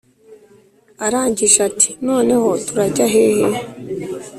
arangije ati"noneho turajya hehe?"